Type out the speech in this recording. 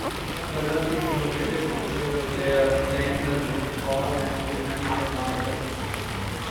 The ruck is located between the player playing-the-ball and the defending marker.